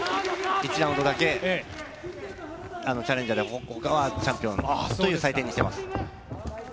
１ラウンドだけチャレンジャーで、他はチャンピオンという採点にしています。